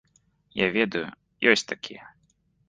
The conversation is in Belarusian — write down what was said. Я ведаю, ёсць такія.